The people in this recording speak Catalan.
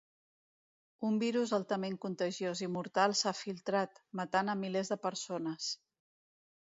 Un virus altament contagiós i mortal s'ha filtrat, matant a milers de persones.